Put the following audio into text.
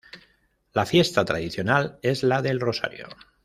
La fiesta tradicional es la del Rosario.